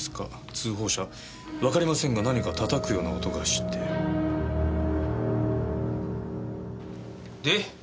「通報者わかりませんが何か叩くような音がして」で？